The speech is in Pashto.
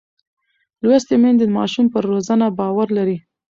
لوستې میندې د ماشوم پر روزنه باور لري.